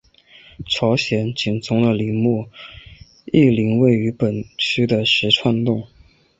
朝鲜景宗的陵墓懿陵位于本区的石串洞。